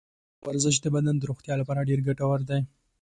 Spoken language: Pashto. ورزش د بدن د روغتیا لپاره ډېر ګټور دی.